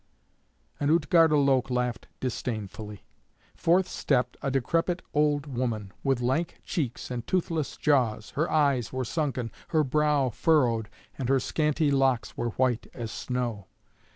And Utgarda Loke laughed disdainfully. Forth stepped a decrepit old woman, with lank cheeks and toothless jaws. Her eyes were sunken, her brow furrowed, and her scanty locks were white as snow.